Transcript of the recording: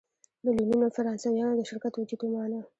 میلیونونو فرانسویانو د شرکت وجود ومانه.